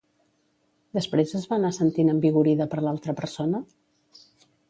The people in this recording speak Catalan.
Després es va anar sentint envigorida per l'altra persona?